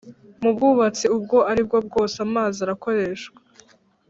mu bwubatsi ubwo ari bwo bwose amazi arakoreshwa